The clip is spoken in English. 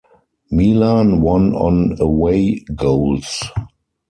Milan won on away goals.